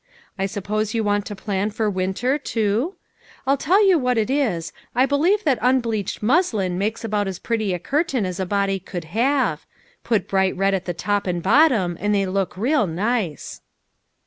I suppose you want to plan for winter, too ? I'll tell you what it is, I believe that unbleached muslin makes about as pretty a curtain as a body could have ; put bright red at the top and bottom, and they look real nice."